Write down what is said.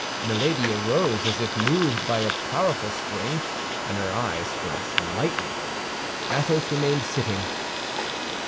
Milady arose as if moved by a powerful spring, and her eyes flashed lightning. Athos remained sitting.